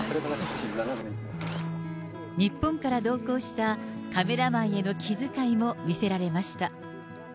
日本から同行したカメラマンへの気遣いも見せられました。